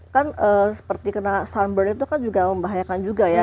kan seperti kena sunburg itu kan juga membahayakan juga ya